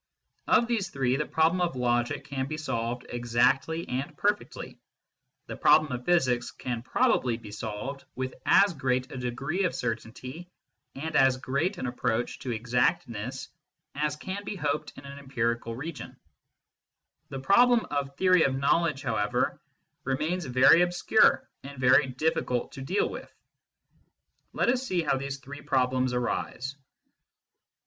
Of these three, the problem of logic can be solved exactly and perfectly ; the problem of physics can probably be solved with as great a degree of certainty and as great an approach to exactness as can be hoped in an empirical region ; the problem of theory of knowledge, however, remains very obscure and very difficult to deal with. Let us see how these three problems arise.